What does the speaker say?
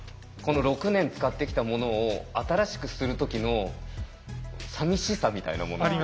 この６年使ってきたものを新しくする時のさみしさみたいなもの。